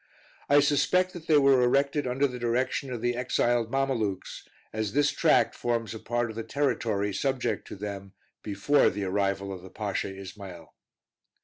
I suspect that they were erected under the direction of the exiled Mamalukes, as this tract forms a part of the territory subject to them before the arrival of the Pasha Ismael.